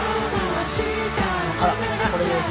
あらこれです。